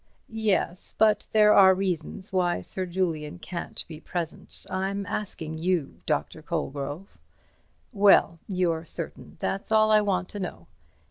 Yes, but there are reasons why Sir Julian can't be present; I'm asking you, Dr. Colegrove. Well, you're certain—that's all I want to know.